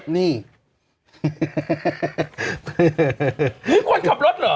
นี่คนขับรถเหรอ